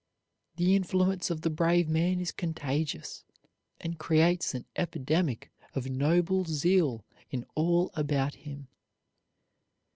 The influence of the brave man is contagious and creates an epidemic of noble zeal in all about him.